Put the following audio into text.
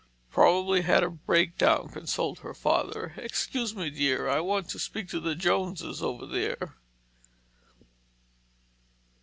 "Probably had a break down," consoled her father. "Excuse me, dear, I want to speak to the Joneses over there."